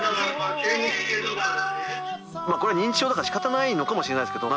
これは認知症だから仕方ないのかもしれないけど。